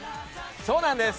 そうなんです。